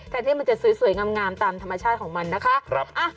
ที่มันจะสวยงามตามธรรมชาติของมันนะคะ